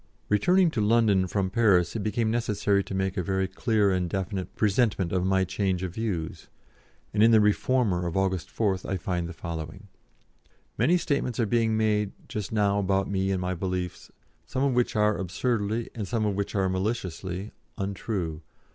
Returning to London from Paris, it became necessary to make a very clear and definite presentment of my change of views, and in the Reformer of August 4th I find the following: "Many statements are being made just now about me and my beliefs, some of which are absurdly, and some of which are maliciously, untrue.